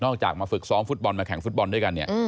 จากมาฝึกซ้อมฟุตบอลมาแข่งฟุตบอลด้วยกันเนี่ย